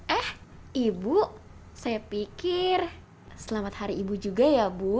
eh ibu saya pikir selamat hari ibu juga ya bu